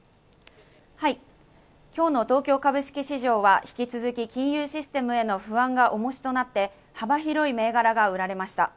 今日の東京株式市場は引き続き金融システムへの不安が重しとなって幅広い銘柄が売られました。